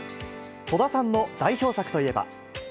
戸田さんの代表作といえば。